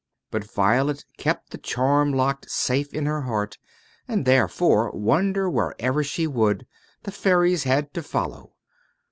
But Violet kept the charm locked safe in her heart, and therefore, wander wherever she would, the fairies had to follow.